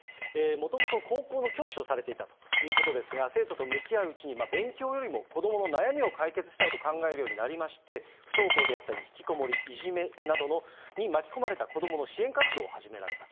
もともと高校の教師をされていたということですが、生徒と向き合ううちに、勉強よりも、子どもの悩みを解決したいと考えるようになりまして、不登校であったり引きこもり、いじめなどに巻き込まれた子どもの支援活動を始められたと。